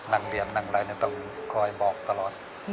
นักเรียนนั่งอะไรต้องคอยบอกตลอด